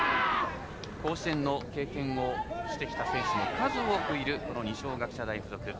甲子園の経験をしてきた選手も数多くいる二松学舎大付属。